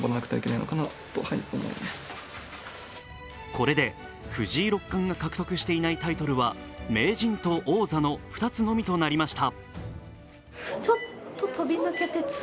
これで藤井六冠が獲得していないタイトルは名人と王座の２つのみとなりました。